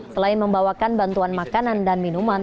selain membawakan bantuan makanan dan minuman